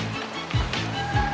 satu dua tiga